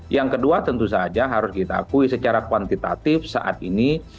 yang kedua tentu saja harus kita akui secara kuantitatif saat ini